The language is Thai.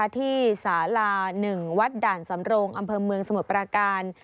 ที่สาลา๑วัดด่านสำโรงอำเภอเมืองสมุทรปราการ